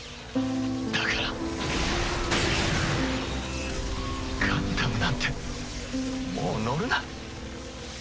だからガンダムなんてもう乗るな。